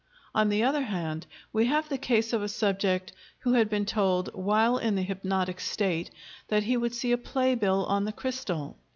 On the other hand, we have the case of a subject who had been told, while in the hypnotic state, that he would see a play bill on the crystal.